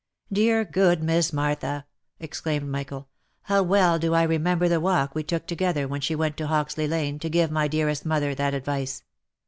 "Dear, good Miss Martha!" exclaimed Michael, "how well do I remember the walk we took together when she went to Hoxley lane, to give my dearest mother that advice.